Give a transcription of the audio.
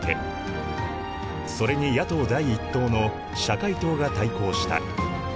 それに野党第１党の社会党が対抗した。